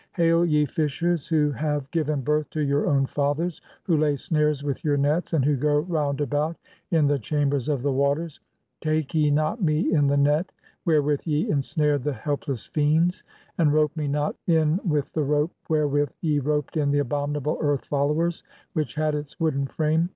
Hail, ye fishers who have "given birth to your own fathers, (3) who lay snares with your "nets, and who go round about in the chambers of the waters, "take ye not me (4) in the net wherewith ye ensnared the help less fiends, and rope me not in with the rope (5) wherewith "ye roped in the abominable earth followers, which had its "wooden frame